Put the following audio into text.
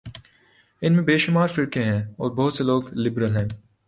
ان میں بے شمار فرقے ہیں اور بہت سے لوگ لبرل ہیں۔